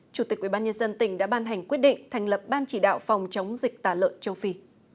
chủ tịch ubnd tỉnh đã ban hành quyết định thành lập ban chỉ đạo phòng chống dịch tả lợn châu phi